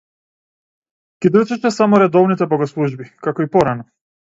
Ги држеше само редовните богослужби, како и порано.